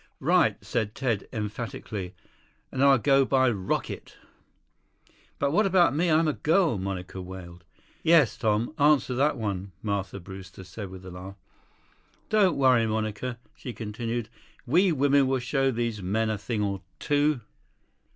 "Right," said Ted emphatically. "And I'll go by rocket." "But what about me? I'm a girl," Monica wailed. "Yes, Tom. Answer that one," Martha Brewster said with a laugh. "Don't worry, Monica," she continued, "we women will show these men a thing or two."